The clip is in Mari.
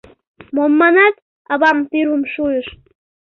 — Мом манат? — авам тӱрвым шуйыш.